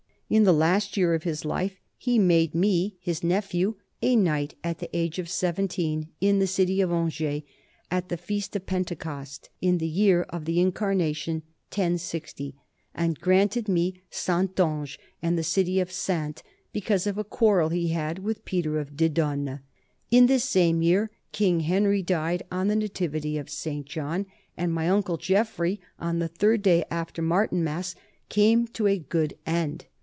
PP 235~37 NORMANDY AND ENGLAND 63 In the last year of his life he made me his nephew a knight at the age of seventeen in the city of Angers, at the feast of Pentecost, in the year of the Incarnation 1060, and granted me Saintonge and the city of Saintes because of a quarrel he had with Peter of Didonne. In this same year King Henry died on the nativity of St. John, and my uncle Geoffrey on the third day after Martinmas came to a good end.